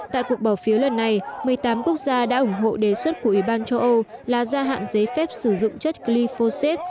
tại cuộc bỏ phiếu lần này một mươi tám quốc gia đã ủng hộ đề xuất của ủy ban châu âu là gia hạn giấy phép sử dụng chất glyphosate